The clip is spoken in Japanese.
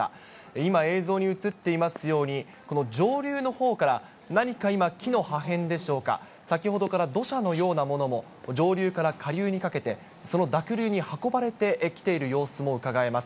今、映像に映っていますように、この上流のほうから、何か今、木の破片でしょうか、先ほどから土砂のようなものも、上流から下流にかけて、その濁流に運ばれてきている様子もうかがえます。